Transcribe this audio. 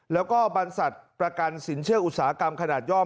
แล้วก็บรรษัทประกันสินเชื่ออุตสาหกรรมขนาดย่อม